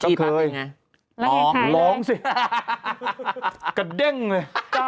จี้ปั๊บดีนะ